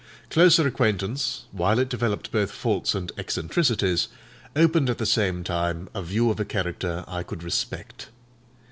Closer acquaintance, while it developed both faults and eccentricities, opened, at the same time, a view of a character I could respect.